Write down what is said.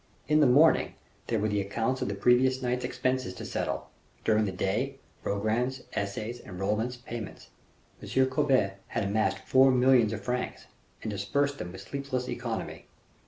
In the morning there were the accounts of the previous night's expenses to settle; during the day, programmes, essays, enrolments, payments. M. Colbert had amassed four millions of francs, and dispersed them with sleepless economy.